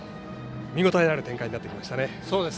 見応えのある展開になってきましたね。